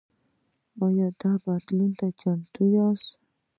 ایا بدلون ته چمتو یاست؟